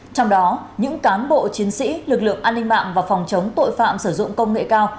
trong đó những cán bộ chiến sĩ lực lượng an ninh mạng và phòng chống tội phạm sử dụng công nghệ cao